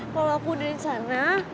kalau aku disana